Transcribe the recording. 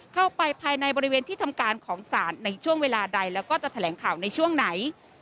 เข้าไปภายในบริเวณที่ทำการของศาลในช่วงเวลาใดแล้วก็จะแถลงข่าวในช่วงไหน